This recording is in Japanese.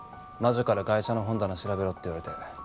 魔女からガイシャの本棚調べろって言われて。